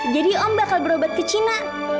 jadi om bakal berobat ke cina